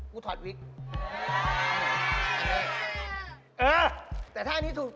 ไม่ใช่แว่นพี่อู๋ด